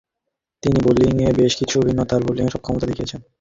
তিনি বোলিংয়ে বেশকিছু ভিন্নতর বোলিংয়ে সক্ষমতা দেখিয়েছেন।